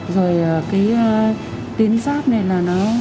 rồi cái tiến giáp này là nó